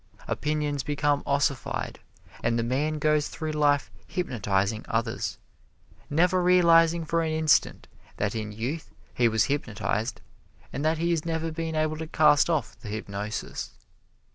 Opinions become ossified and the man goes through life hypnotizing others, never realizing for an instant that in youth he was hypnotized and that he has never been able to cast off the hypnosis.